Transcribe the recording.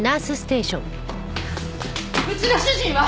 うちの主人は！？